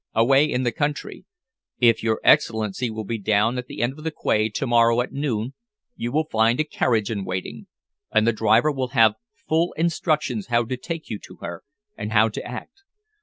Away in the country. If your Excellency will be down at the end of the quay to morrow at noon you will find a carriage in waiting, and the driver will have full instructions how to take you to her and how to act.